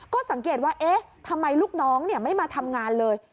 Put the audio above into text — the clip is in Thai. ก็สังเกตว่าเอ๊ะทำไมลูกน้องไม่มาทำงานเลย